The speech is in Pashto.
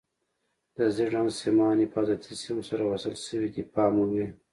د زیړ رنګ سیمان حفاظتي سیم سره وصل شوي دي پام مو وي.